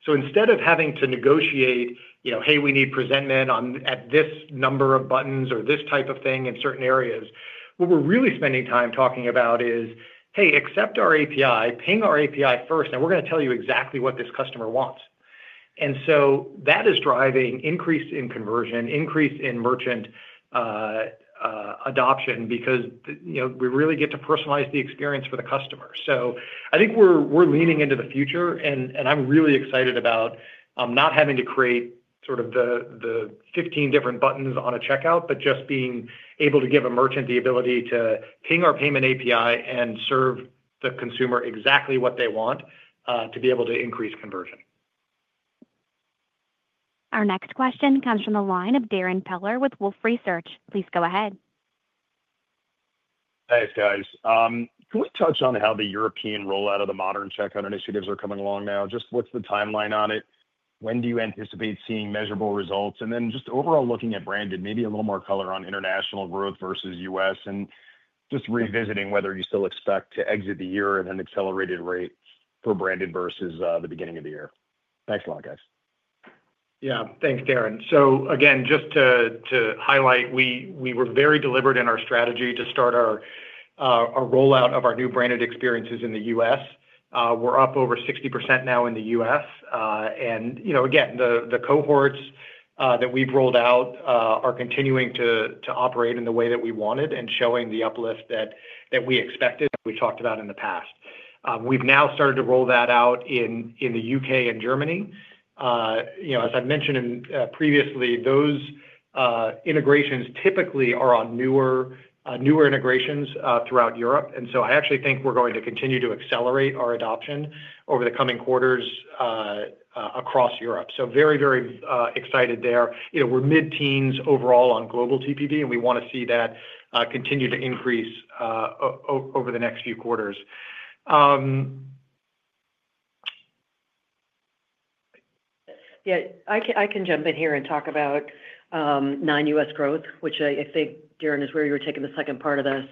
Instead of having to negotiate, "Hey, we need present men at this number of buttons or this type of thing in certain areas," what we're really spending time talking about is, "Hey, accept our API, ping our API first, and we're going to tell you exactly what this customer wants." That is driving increase in conversion, increase in merchant adoption, because we really get to personalize the experience for the customer. I think we're leaning into the future, and I'm really excited about not having to create sort of the 15 different buttons on a checkout, but just being able to give a merchant the ability to ping our payment API and serve the consumer exactly what they want to be able to increase conversion. Our next question comes from the line of Darrin Peller with Wolfe Research. Please go ahead. Thanks, guys. Can we touch on how the European rollout of the modern checkout initiatives are coming along now? Just what's the timeline on it? When do you anticipate seeing measurable results? And then just overall looking at branded, maybe a little more color on international growth versus U.S., and just revisiting whether you still expect to exit the year at an accelerated rate for branded versus the beginning of the year. Thanks a lot, guys. Yeah, thanks, Darrin. Again, just to highlight, we were very deliberate in our strategy to start our rollout of our new branded experiences in the U.S. We're up over 60% now in the U.S. Again, the cohorts that we've rolled out are continuing to operate in the way that we wanted and showing the uplift that we expected, as we've talked about in the past. We've now started to roll that out in the U.K. and Germany. As I've mentioned previously, those integrations typically are on newer integrations throughout Europe. I actually think we're going to continue to accelerate our adoption over the coming quarters across Europe. Very, very excited there. We're mid-teens overall on global TPV, and we want to see that continue to increase over the next few quarters. Yeah, I can jump in here and talk about non-U.S. growth, which I think, Darrin, is where you were taking the second part of this.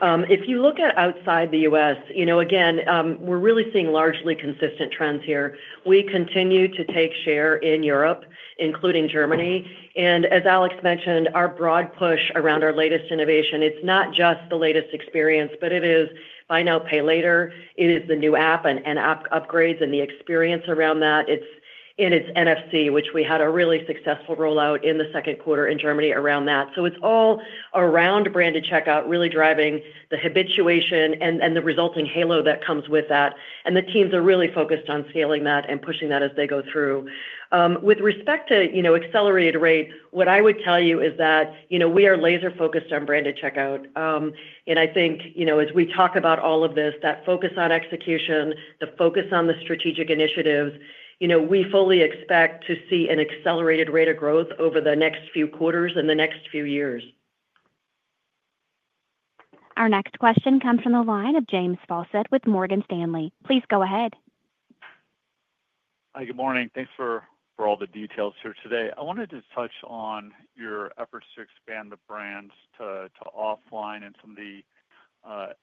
If you look at outside the U.S., again, we're really seeing largely consistent trends here. We continue to take share in Europe, including Germany. As Alex mentioned, our broad push around our latest innovation, it's not just the latest experience, but it is buy now pay later. It is the new app and app upgrades and the experience around that. It's NFC, which we had a really successful rollout in the second quarter in Germany around that. It's all around branded checkout, really driving the habituation and the resulting halo that comes with that. The teams are really focused on scaling that and pushing that as they go through. With respect to accelerated rates, what I would tell you is that we are laser-focused on branded checkout. I think as we talk about all of this, that focus on execution, the focus on the strategic initiatives, we fully expect to see an accelerated rate of growth over the next few quarters and the next few years. Our next question comes from the line of James Fawcett with Morgan Stanley. Please go ahead. Hi, good morning. Thanks for all the details here today. I wanted to touch on your efforts to expand the brands to offline and some of the.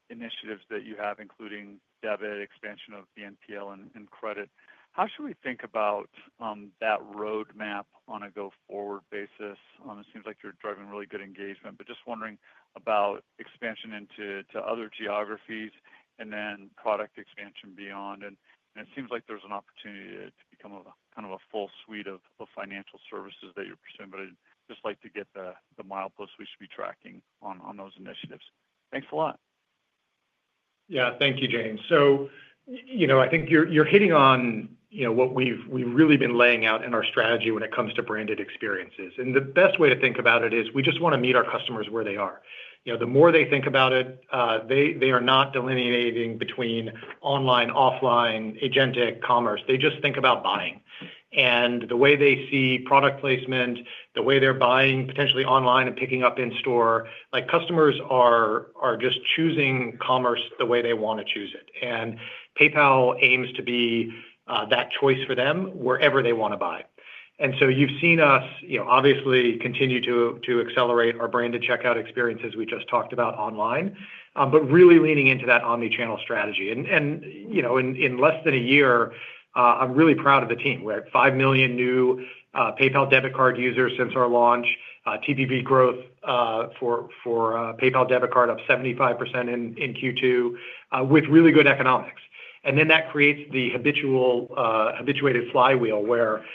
Initiatives that you have, including debit, expansion of BNPL, and credit. How should we think about that roadmap on a go-forward basis? It seems like you're driving really good engagement, but just wondering about expansion into other geographies and then product expansion beyond. It seems like there's an opportunity to become kind of a full suite of financial services that you're pursuing, but I'd just like to get the mileposts we should be tracking on those initiatives. Thanks a lot. Yeah, thank you, James. I think you're hitting on what we've really been laying out in our strategy when it comes to branded experiences. The best way to think about it is we just want to meet our customers where they are. The more they think about it, they are not delineating between online, offline, agentic commerce. They just think about buying. The way they see product placement, the way they're buying potentially online and picking up in-store, customers are just choosing commerce the way they want to choose it. PayPal aims to be that choice for them wherever they want to buy. You've seen us obviously continue to accelerate our branded checkout experiences we just talked about online, but really leaning into that omnichannel strategy. In less than a year, I'm really proud of the team. We're at five million new PayPal debit card users since our launch, TPV growth for PayPal debit card up 75% in Q2 with really good economics. That creates the habituated flywheel where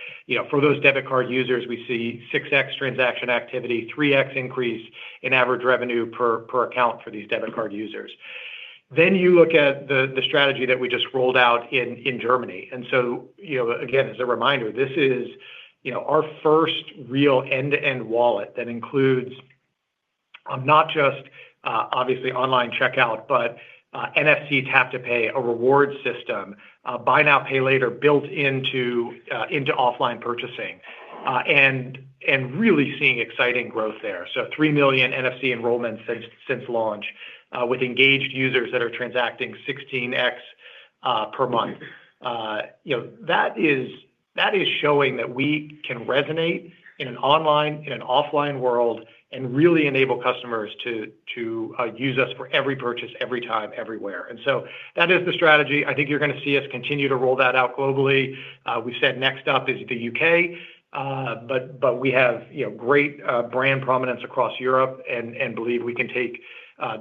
for those debit card users, we see 6x transaction activity, 3x increase in average revenue per account for these debit card users. Then you look at the strategy that we just rolled out in Germany. As a reminder, this is our first real end-to-end wallet that includes not just obviously online checkout, but NFC tap-to-pay, a reward system, buy now, pay later built into offline purchasing, and really seeing exciting growth there. Three million NFC enrollments since launch with engaged users that are transacting 16x per month. That is showing that we can resonate in an online, in an offline world, and really enable customers to use us for every purchase, every time, everywhere. That is the strategy. I think you're going to see us continue to roll that out globally. We said next up is the U.K. We have great brand prominence across Europe and believe we can take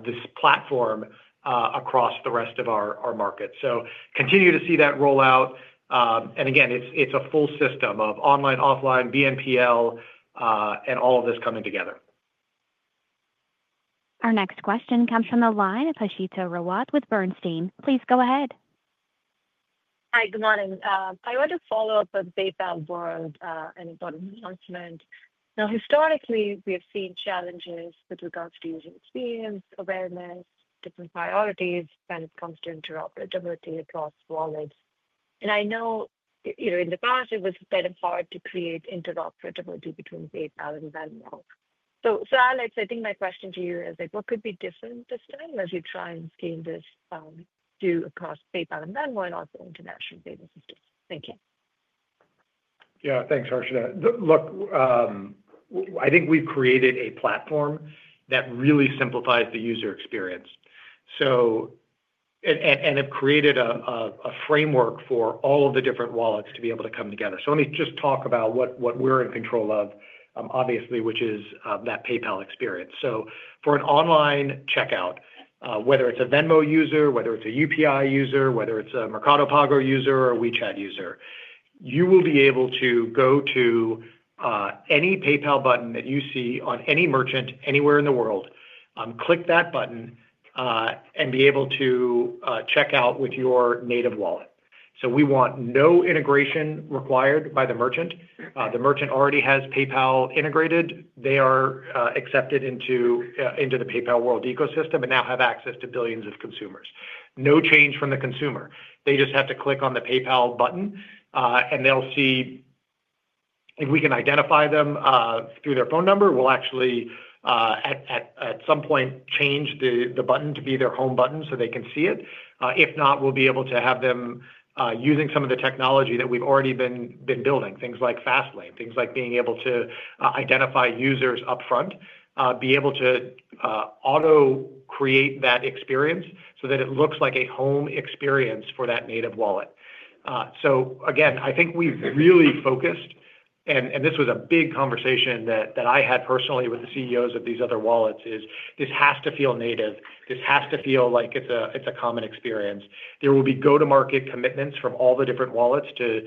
this platform across the rest of our market. Continue to see that rollout. Again, it's a full system of online, offline, BNPL. All of this coming together. Our next question comes from the line of Harshita Rawat with Bernstein. Please go ahead. Hi, good morning. I want to follow up on PayPal World and an important announcement. Now, historically, we have seen challenges with regards to user experience, awareness, different priorities when it comes to interoperability across wallets. I know in the past it was kind of hard to create interoperability between PayPal and Venmo. So Alex, I think my question to you is, what could be different this time as you try and scale this to across PayPal and Venmo and also international payment systems? Thank you. Yeah, thanks, Harshita. Look, I think we've created a platform that really simplifies the user experience. We have created a framework for all of the different wallets to be able to come together. Let me just talk about what we're in control of, obviously, which is that PayPal experience. For an online checkout, whether it's a Venmo user, whether it's a UPI user, whether it's a Mercado Pago user, or a WeChat user, you will be able to go to any PayPal button that you see on any merchant anywhere in the world, click that button, and be able to check out with your native wallet. We want no integration required by the merchant. The merchant already has PayPal integrated. They are accepted into the PayPal World ecosystem and now have access to billions of consumers. No change from the consumer. They just have to click on the PayPal button, and they'll see. If we can identify them through their phone number, we'll actually at some point change the button to be their home button so they can see it. If not, we'll be able to have them using some of the technology that we've already been building, things like Fastlane, things like being able to identify users upfront, be able to auto-create that experience so that it looks like a home experience for that native wallet. I think we've really focused, and this was a big conversation that I had personally with the CEOs of these other wallets, is this has to feel native. This has to feel like it's a common experience. There will be go-to-market commitments from all the different wallets to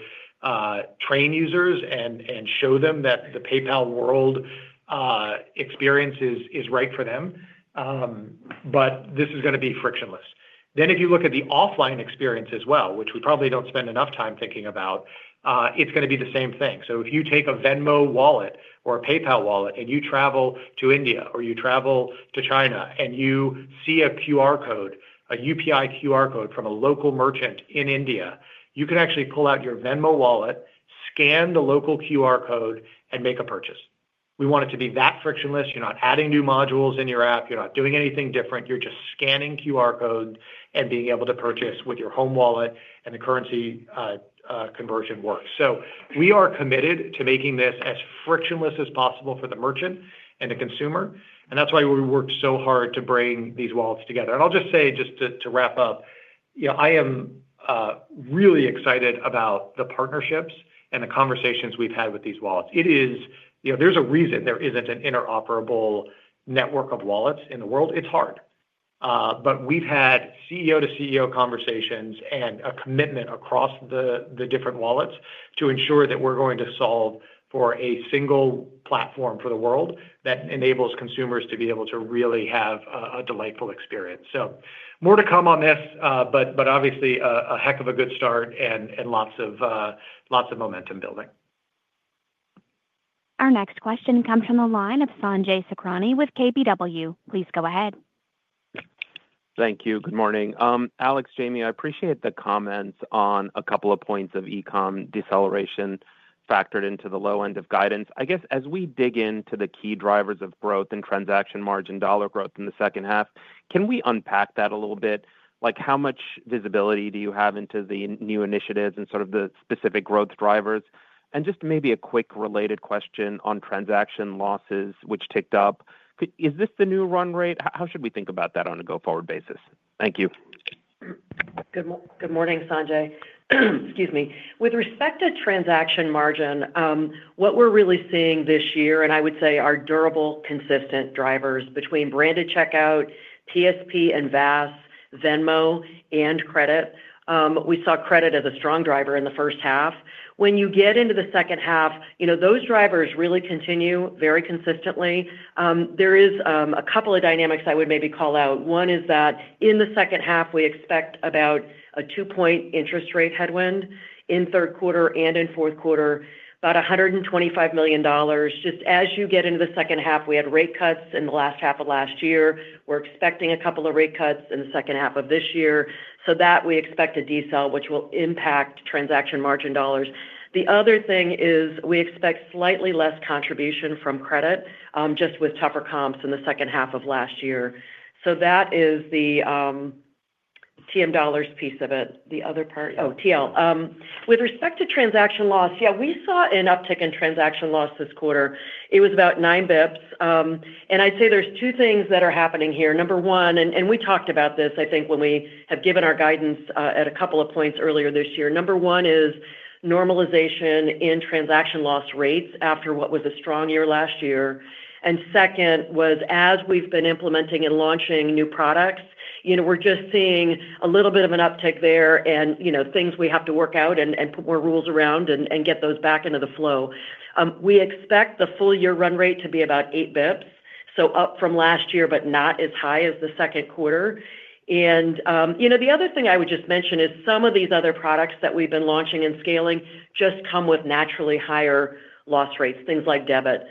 train users and show them that the PayPal World experience is right for them. This is going to be frictionless. If you look at the offline experience as well, which we probably do not spend enough time thinking about, it is going to be the same thing. If you take a Venmo wallet or a PayPal wallet and you travel to India or you travel to China and you see a QR code, a UPI QR code from a local merchant in India, you can actually pull out your Venmo wallet, scan the local QR code, and make a purchase. We want it to be that frictionless. You are not adding new modules in your app. You are not doing anything different. You are just scanning QR codes and being able to purchase with your home wallet and the currency. Conversion works. We are committed to making this as frictionless as possible for the merchant and the consumer. That is why we worked so hard to bring these wallets together. I will just say, just to wrap up, I am really excited about the partnerships and the conversations we have had with these wallets. There is a reason there is not an interoperable network of wallets in the world. It is hard. We have had CEO-to-CEO conversations and a commitment across the different wallets to ensure that we are going to solve for a single platform for the world that enables consumers to be able to really have a delightful experience. More to come on this, but obviously a heck of a good start and lots of momentum building. Our next question comes from the line of Sanjay Sakhrani with KBW. Please go ahead. Thank you. Good morning. Alex, Jamie, I appreciate the comments on a couple of points of E-comm deceleration factored into the low end of guidance. I guess as we dig into the key drivers of growth and transaction margin dollar growth in the second half, can we unpack that a little bit? How much visibility do you have into the new initiatives and sort of the specific growth drivers? Just maybe a quick related question on transaction losses, which ticked up. Is this the new run rate? How should we think about that on a go-forward basis? Thank you. Good morning, Sanjay. Excuse me. With respect to transaction margin, what we are really seeing this year, and I would say our durable, consistent drivers between branded checkout, TSP, and VAS, Venmo, and credit. We saw credit as a strong driver in the first half. When you get into the second half, those drivers really continue very consistently. There are a couple of dynamics I would maybe call out. One is that in the second half, we expect about a two-point interest rate headwind in third quarter and in fourth quarter, about $125 million. Just as you get into the second half, we had rate cuts in the last half of last year. We're expecting a couple of rate cuts in the second half of this year. That we expect a decel, which will impact transaction margin dollars. The other thing is we expect slightly less contribution from credit just with tougher comps in the second half of last year. That is the TM dollars piece of it. The other part, oh, TL. With respect to transaction loss, yeah, we saw an uptick in transaction loss this quarter. It was about nine basis points. I'd say there's two things that are happening here. Number one, and we talked about this, I think, when we have given our guidance at a couple of points earlier this year. Number one is normalization in transaction loss rates after what was a strong year last year. Second was, as we've been implementing and launching new products, we're just seeing a little bit of an uptick there and things we have to work out and put more rules around and get those back into the flow. We expect the full year run rate to be about eight bps, up from last year, but not as high as the second quarter. The other thing I would just mention is some of these other products that we've been launching and scaling just come with naturally higher loss rates, things like debit.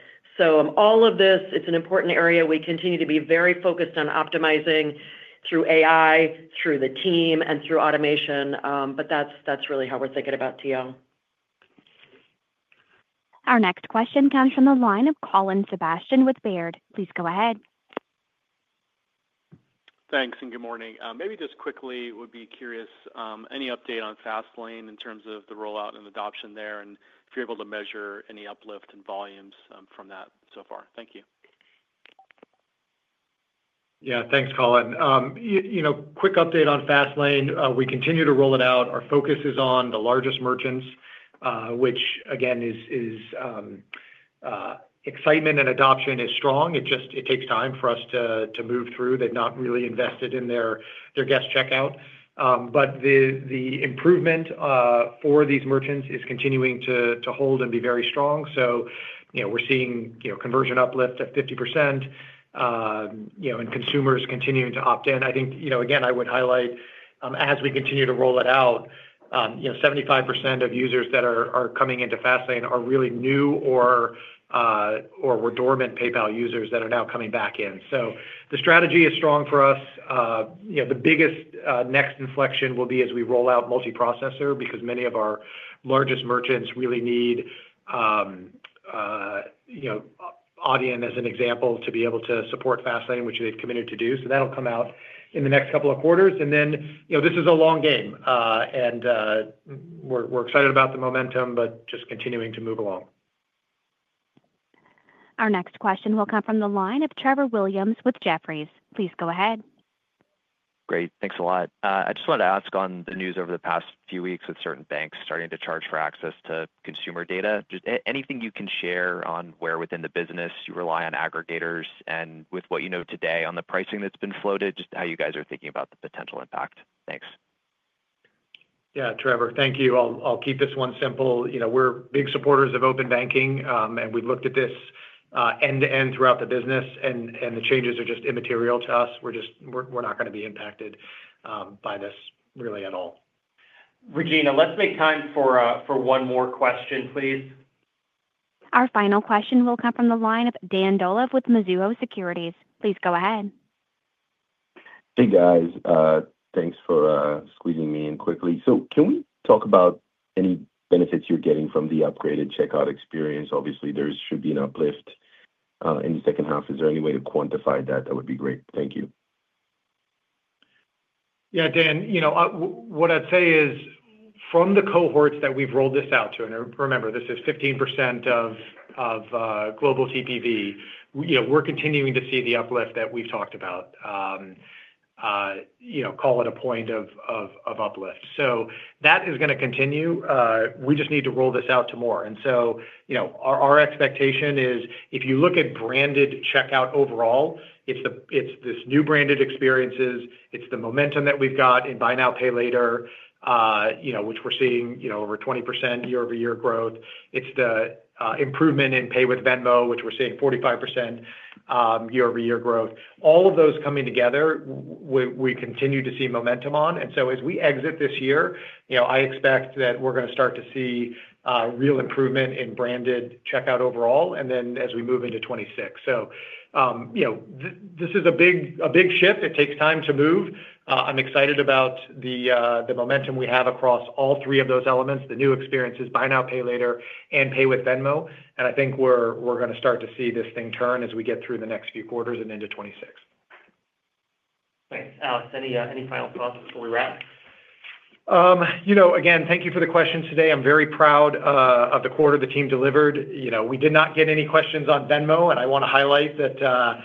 All of this, it's an important area. We continue to be very focused on optimizing through AI, through the team, and through automation. That's really how we're thinking about TL. Our next question comes from the line of Colin Sebastian with Baird. Please go ahead. Thanks and good morning. Maybe just quickly, would be curious, any update on Fastlane in terms of the rollout and adoption there and if you're able to measure any uplift in volumes from that so far. Thank you. Yeah, thanks, Colin. Quick update on Fastlane. We continue to roll it out. Our focus is on the largest merchants, which, again, is. Excitement and adoption is strong. It takes time for us to move through. They've not really invested in their guest checkout. The improvement for these merchants is continuing to hold and be very strong. We're seeing conversion uplift at 50%. Consumers continuing to opt in. I think, again, I would highlight, as we continue to roll it out. 75% of users that are coming into Fastlane are really new or. ormant PayPal users that are now coming back in. The strategy is strong for us. The biggest next inflection will be as we roll out multiprocessor because many of our largest merchants really need. Adyen as an example to be able to support Fastlane, which they've committed to do. That will come out in the next couple of quarters. This is a long game. We are excited about the momentum, just continuing to move along. Our next question will come from the line of Trevor Williams with Jefferies. Please go ahead. Great. Thanks a lot. I just wanted to ask on the news over the past few weeks with certain banks starting to charge for access to consumer data. Anything you can share on where within the business you rely on aggregators and with what you know today on the pricing that's been floated, just how you guys are thinking about the potential impact? Thanks. Yeah, Trevor, thank you. I'll keep this one simple. We're big supporters of open banking, and we've looked at this end-to-end throughout the business, and the changes are just immaterial to us. We're not going to be impacted by this really at all. Regina, let's make time for one more question, please. Our final question will come from the line of Dan Dolev with Mizuho Securities. Please go ahead. Hey, guys. Thanks for squeezing me in quickly. Can we talk about any benefits you're getting from the upgraded checkout experience? Obviously, there should be an uplift in the second half. Is there any way to quantify that? That would be great. Thank you. Yeah, Dan, what I'd say is from the cohorts that we've rolled this out to, and remember, this is 15% of global TPV, we're continuing to see the uplift that we've talked about. Call it a point of uplift. That is going to continue. We just need to roll this out to more. Our expectation is if you look at branded checkout overall, it's this new branded experiences. It's the momentum that we've got in buy now pay later, which we're seeing over 20% year-over-year growth. It's the improvement in Pay with Venmo, which we're seeing 45% year-over-year growth. All of those coming together, we continue to see momentum on. As we exit this year, I expect that we're going to start to see real improvement in branded checkout overall, and then as we move into 2026. This is a big shift. It takes time to move. I'm excited about the momentum we have across all three of those elements, the new experiences, buy now pay Later, and Pay with Venmo. I think we're going to start to see this thing turn as we get through the next few quarters and into 2026. Thanks. Alex, any final thoughts before we wrap? Again, thank you for the questions today. I'm very proud of the quarter the team delivered. We did not get any questions on Venmo, and I want to highlight that.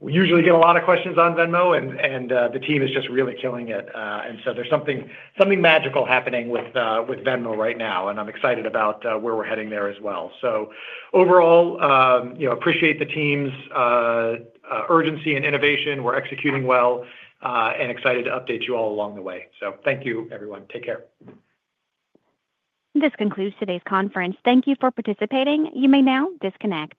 We usually get a lot of questions on Venmo, and the team is just really killing it. There's something magical happening with Venmo right now, and I'm excited about where we're heading there as well. Overall, I appreciate the team's urgency and innovation. We're executing well and excited to update you all along the way. Thank you, everyone. Take care. This concludes today's conference. Thank you for participating. You may now disconnect.